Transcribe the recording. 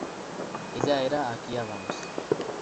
Ella era aquí abans.